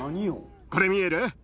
これ見える？